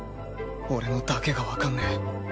俺のだけがわかんねぇ。